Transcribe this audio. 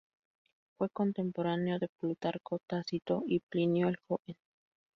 Fue contemporáneo de Plutarco, Tácito y Plinio el Joven.